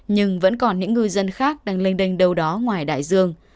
nhưng vẫn còn những ngư dân khác đang lênh đênh đâu đó ngoài đại dương